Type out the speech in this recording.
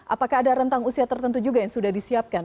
apakah ada rentang usia tertentu juga yang sudah disiapkan